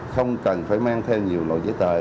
không cần phải mang thêm nhiều nội giấy tờ